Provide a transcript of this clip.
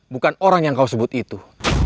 bukan orang yang kau sebut itu